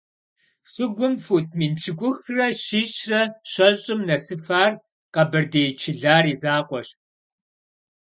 Щыгум фут мин пщыкӀухрэ щищрэ щэщӀым нэсыфар къэбэрдей Чылар и закъуэщ.